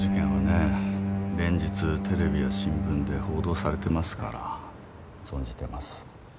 連日テレビや新聞で報道されてますから存じてます。